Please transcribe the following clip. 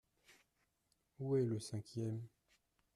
Où est le cinquième ?…